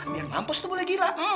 biar mampus tuh boleh gila